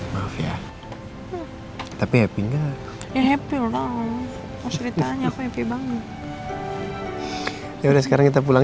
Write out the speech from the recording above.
tapi happy happy banget ya udah sekarang kita pulang ya